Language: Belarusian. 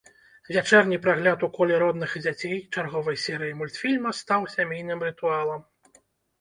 Вячэрні прагляд у коле родных і дзяцей чарговай серыі мультфільма стаў сямейным рытуалам.